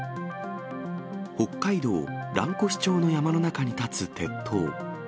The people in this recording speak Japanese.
北海道蘭越町の山の中に建つ鉄塔。